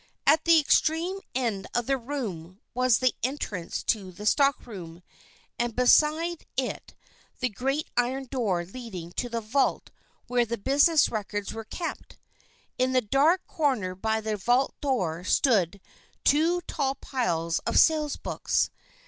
At the extreme end of the room was the entrance to the stock room, and beside it the great iron door leading to the vault where the business records were kept. In the dark corner by the vault door stood two tall piles of sales books.